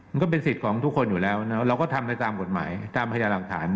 มันก็เป็นสิทธิ์ของทุกคนอยู่แล้วเราก็ทำได้ตามกฎหมายตามพยาหลักฐาน